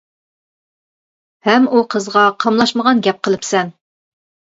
ھەم ئۇ قىزغا قاملاشمىغان گەپ قىلىپسەن.